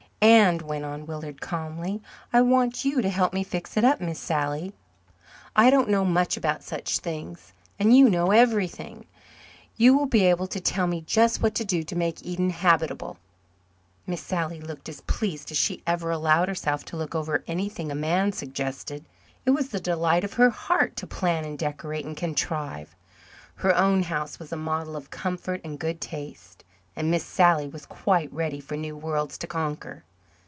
"And," went on Willard calmly, "I want you to help me fix it up, Miss Sally. I don't know much about such things and you know everything. You will be able to tell me just what to do to make Eden habitable." Miss Sally looked as pleased as she ever allowed herself to look over anything a man suggested. It was the delight of her heart to plan and decorate and contrive. Her own house was a model of comfort and good taste, and Miss Sally was quite ready for new worlds to conquer.